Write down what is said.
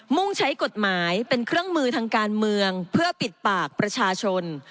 ่งใช้กฎหมายเป็นเครื่องมือทางการเมืองเพื่อปิดปากประชาชน